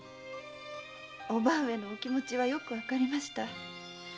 叔母上のお気持ちはよくわかりました。